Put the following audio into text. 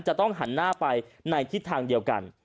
จะต้องหันหน้าไปในทิศทางเดียวกัน